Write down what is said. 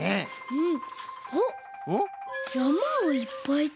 うん！